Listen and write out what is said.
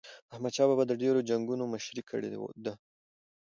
احمد شاه بابا د ډیرو جنګونو مشري کړې ده.